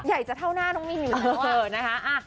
ใหญ่จะเท่าหน้าน้องมินอยู่แล้วนะคะ